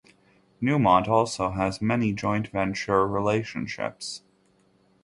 Newmont also has many joint venture relationships.